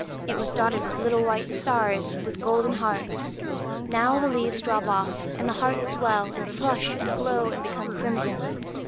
It was dotted with little white stars with golden hearts. Now the leaves drop off, and the hearts swell, and flush, and glow, and become crimson.